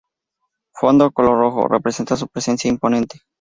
Fondo color Rojo= representa su presencia imponente.